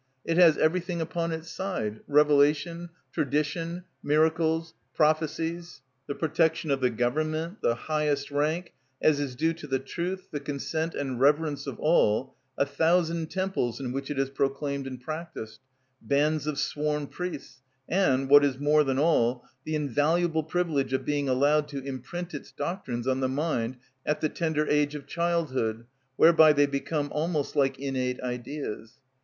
It has everything upon its side—revelation, tradition, miracles, prophecies, the protection of the government, the highest rank, as is due to the truth, the consent and reverence of all, a thousand temples in which it is proclaimed and practised, bands of sworn priests, and, what is more than all, the invaluable privilege of being allowed to imprint its doctrines on the mind at the tender age of childhood, whereby they became almost like innate ideas.